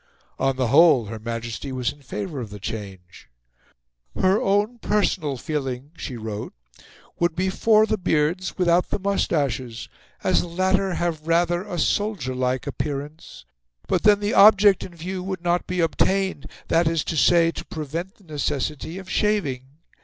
On the whole, Her Majesty was in favour of the change. "Her own personal feeling," she wrote, "would be for the beards without the moustaches, as the latter have rather a soldierlike appearance; but then the object in view would not be obtained, viz. to prevent the necessity of shaving.